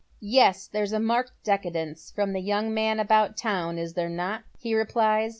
" Yes, there's a marked decadence from the young man about town, is there not?" he replies.